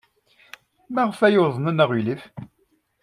Maɣef ay uḍnen aɣilif?